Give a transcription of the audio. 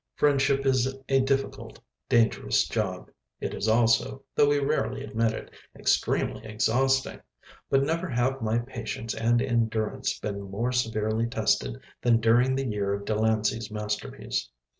Friendship is a difficult, dangerous job. It is also (though we rarely admit it) extremely exhausting. But never have my patience and endurance been more severely tested than during the year of Delancey's masterpiece.